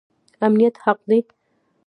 امنیت حق دی